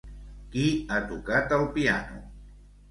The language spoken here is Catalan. Qui ha tocat el piano?